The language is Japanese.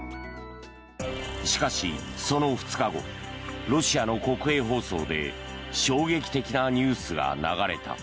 しかし、その２日後ロシアの国営放送で衝撃的なニュースが流れた。